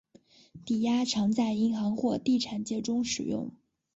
抵押常在银行或地产界中使用。